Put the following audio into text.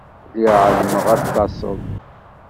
Lliɣ εelmeɣ ad d-taseḍ.